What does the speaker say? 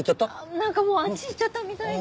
なんかもうあっち行っちゃったみたいで。